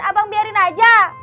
abang biarin aja